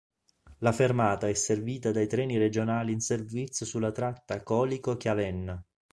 La fermata è servita dai treni regionali in servizio sulla tratta Colico-Chiavenna.